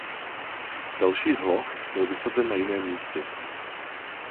Další hloh byl vysazen na jiném místě.